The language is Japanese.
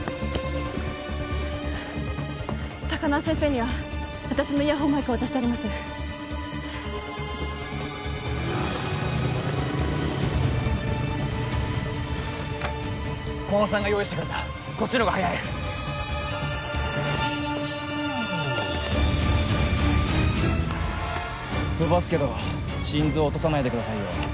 高輪先生には私のイヤホンマイクを渡してあります駒場さんが用意してくれたこっちの方が早い飛ばすけど心臓落とさないでくださいよ